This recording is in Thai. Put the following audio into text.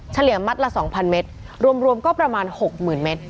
เลียมัดละ๒๐๐เมตรรวมก็ประมาณ๖๐๐๐เมตร